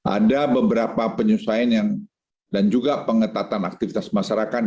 ada beberapa penyusuaian dan juga pengetatan aktivitas masyarakat